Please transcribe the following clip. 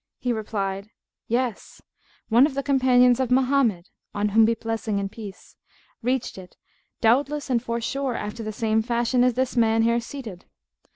He replied, "Yes; one of the companions of Mohammed (on whom be blessing and peace!) reached it, doubtless and forsure after the same fashion as this man here seated."